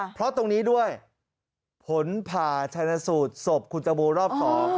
เพราะตรงนี้ด้วยผลผ่าชนะสูตรศพคุณตะบูรอบ๒